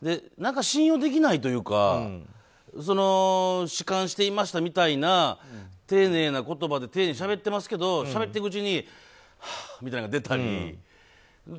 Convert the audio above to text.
信用できないというか弛緩していましたみたいな丁寧な言葉でしゃべってますけどしゃべっていくうちにはあみたいなのが出たり。